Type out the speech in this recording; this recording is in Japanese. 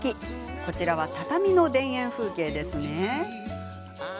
こちらは、畳の田園風景ですね。